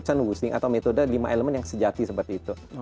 chen wu xing atau metode lima elemen yang sejati seperti itu